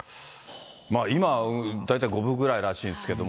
今、大体五分ぐらいらしいんですけど。